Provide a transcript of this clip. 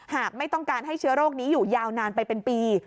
หากไม่ต้องการให้เชื้อโรคนี้อยู่ยาวนานไปเป็นปี